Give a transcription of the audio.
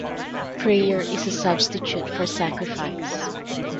Prayer is a substitute for sacrifice.